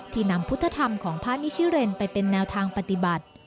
นำพุทธธรรมของพระนิชิเรนไปเป็นแนวทางปฏิบัติ